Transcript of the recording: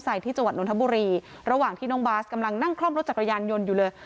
ที่จังหวัดนทบุรีระหว่างที่น้องบาสกำลังนั่งคล่อมรถจักรยานยนต์อยู่เลย